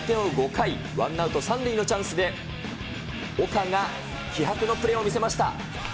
５回、ワンアウト３塁のチャンスで、岡が気迫のプレーを見せました。